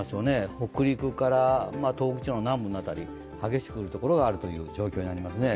北陸から東北地方の南部の辺り、激しく降る所があるという情報です。